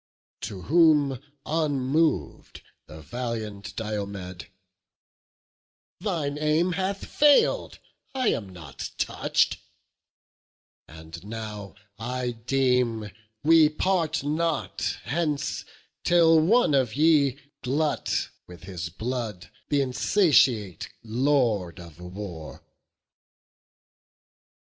To whom, unmov'd, the valiant Diomed: "Thine aim hath failed, I am not touch'd; and now I deem we part not hence till one of ye Glut with his blood th' insatiate Lord of War."